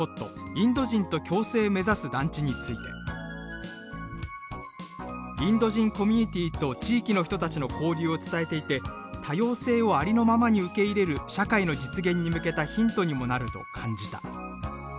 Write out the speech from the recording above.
「インド人と共生目指す団地」について「インド人コミュニティーと地域の人たちの交流を伝えていて多様性をありのままに受け入れる社会の実現に向けたヒントにもなると感じた」